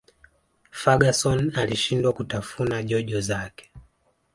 ferguson alishindwa kutafuna jojo zake